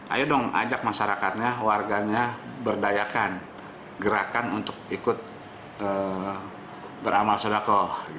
ayo dong ajak masyarakatnya warganya berdayakan gerakan untuk ikut beramal sodakoh